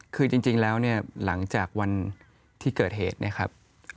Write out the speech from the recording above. คือจริงแล้วเนี่ยหลังจากวันที่เกิดเหตุเนี่ยครับ